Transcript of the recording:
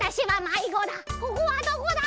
ここはどこだ！？」。